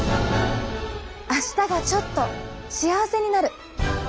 明日がちょっと幸せになる！